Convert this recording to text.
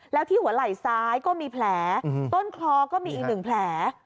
แล้วที่หัวไหล่ซ้ายก็มีแผลต้นคลอก็มีอีก๑แผล